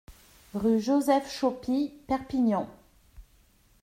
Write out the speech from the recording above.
Rue Joseph Xaupi, Perpignan